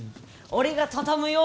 俺が畳むよ